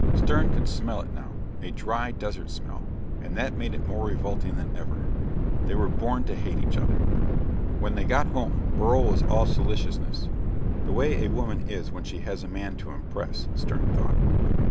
Stern could smell it now, a dry, desert smell, and that made it more revolting than ever. They were born to hate each other. When they got home, Beryl was all solicitousness. The way a woman is when she has a man to impress, Stern thought.